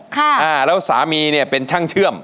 อ่าแล้วสามีเนี่ยเป็นช่างเชื่อม